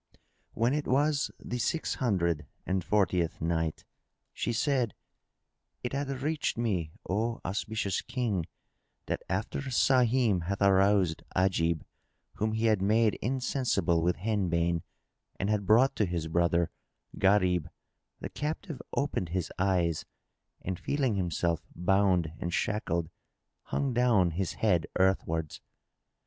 When it was the Six Hundred and Fortieth Night, She said, It hath reached me, O auspicious King, that after Sahim had aroused Ajib, whom he had made insensible with henbane and had brought to his brother Gharib, the captive opened his eyes and, feeling himself bound and shackled, hung down his head earthwards.